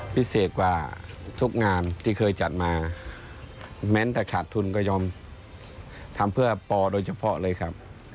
พิเศษกว่าทุกงานที่เคยจัดมาแม้แต่ขาดทุนก็ยอมทำเพื่อปอโดยเฉพาะเลยครับ